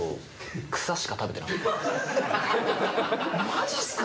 マジっすか。